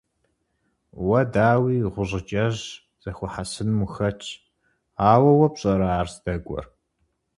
Уэ, дауи, гъущӀыкӀэжь зэхуэхьэсыным ухэтщ; ауэ уэ пщӀэрэ ар здэкӀуэр?